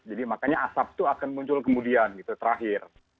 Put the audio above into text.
jadi makanya asap itu akan muncul kemudian gitu terakhir